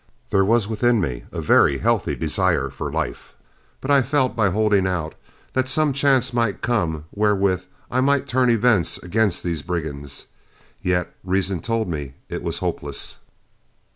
There was within me a very healthy desire for life. But I felt, by holding out, that some chance might come wherewith I might turn events against these brigands. Yet reason told me it was hopeless.